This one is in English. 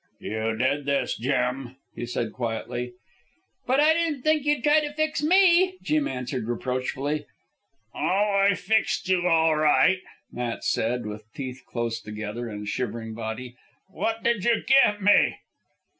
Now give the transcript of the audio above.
"You did this, Jim," he said quietly. "But I didn't think you'd try to fix ME," Jim answered reproachfully. "Oh, I fixed you all right," Matt said, with teeth close together and shivering body. "What did you give me?"